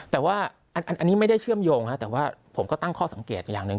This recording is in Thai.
แต่ว่าอันนี้ไม่ได้เชื่อมโยงแต่ว่าผมก็ตั้งข้อสังเกตอย่างหนึ่ง